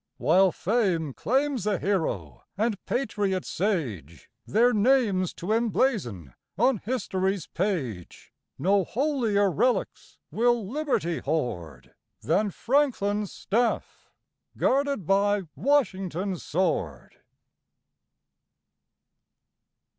While Fame claims the hero And patriot sage, Their names to emblazon On History's page, No holier relics Will liberty hoard Than FRANKLIN's staff, guarded By WASHINGTON's sword.